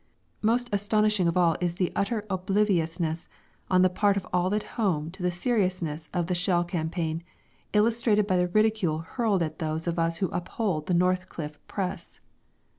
Most astounding of all is the utter obliviousness on the part of all at home to the seriousness of the shell campaign, illustrated by the ridicule hurled at those of us who uphold the Northcliffe Press.